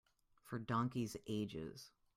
For donkeys' ages.